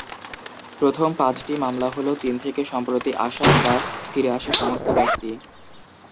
প্রথম পাঁচটি মামলা হ'ল চীন থেকে সম্প্রতি আসা বা ফিরে আসা সমস্ত ব্যক্তি।